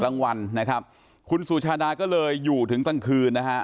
รางวัลนะครับคุณสุชาดาก็เลยอยู่ถึงกลางคืนนะฮะ